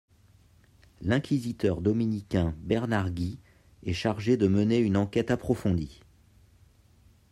L'inquisiteur dominicain Bernard Gui est chargé de mener une enquête approfondie.